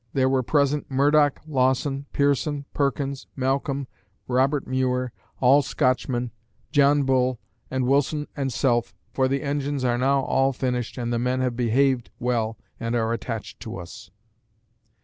There were present Murdoch, Lawson, Pearson, Perkins, Malcom, Robert Muir, all Scotchmen, John Bull and Wilson and self, for the engines are now all finished and the men have behaved well and are attached to us."